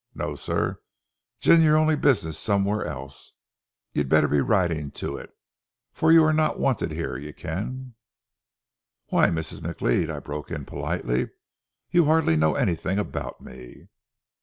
Noo, sir, gin ye ony business onywhaur else, ye 'd aye better be ridin' tae it, for ye are no wanted here, ye ken." "Why, Mrs. McLeod," I broke in politely. "You hardly know anything about me."